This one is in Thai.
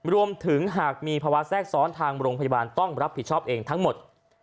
รวมถึงหากมีภาวะแทรกซ้อนทางโรงพยาบาลต้องรับผิดชอบเองทั้งหมด